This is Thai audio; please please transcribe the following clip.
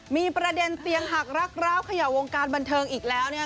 มีประเด็นเตียงหักรักร้าวเขย่าวงการบันเทิงอีกแล้วนะครับ